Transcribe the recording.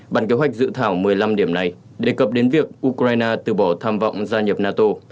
bản kế hoạch dự thảo một mươi năm điểm này đề cập đến việc ukraine từ bỏ tham vọng gia nhập nato